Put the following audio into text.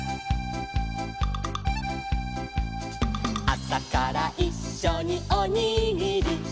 「あさからいっしょにおにぎり」